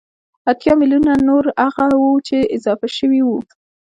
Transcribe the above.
اتيا ميليونه نور هغه وو چې اضافه شوي وو